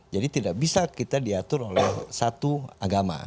jadi tidak bisa kita diatur oleh satu agama